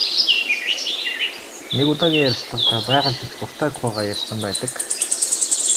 Нэг удаагийн ярилцлагадаа байгальд их дуртай тухайгаа ярьсан байдаг.